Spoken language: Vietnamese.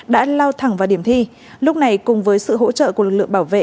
đã lao thẳng vào điểm thi lúc này cùng với sự hỗ trợ của lực lượng bảo vệ